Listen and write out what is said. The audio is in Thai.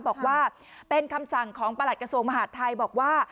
บอกว่าเป็นคำสั่งของประหลัดกระทรวงมหาดไทยบอกว่า